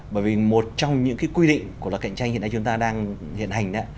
bởi vì một trong những quy định của loại cạnh tranh hiện nay chúng ta đang hiện hành